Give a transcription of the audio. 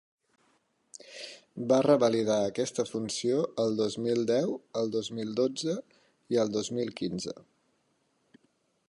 Va revalidar aquesta funció el dos mil deu, el dos mil dotze i el dos mil quinze.